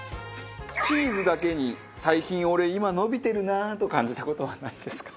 チーズだけに最近俺今伸びてるなと感じた事はなんですか？